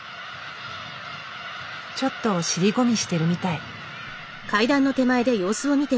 ちょっと尻込みしてるみたい。